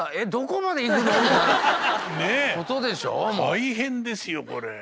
大変ですよこれ。